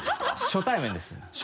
初対面で？